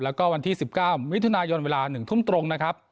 แล้วก็วันที่๑๙มิถุนายนเวลา๑ทุ่มตรงนะครับ